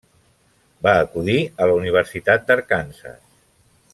Va acudir a la Universitat d'Arkansas.